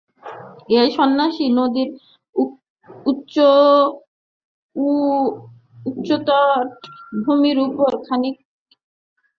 এই সন্ন্যাসী নদীর উচ্চতটভূমির উপর খনিত একটি গর্তে বাস করিতেন।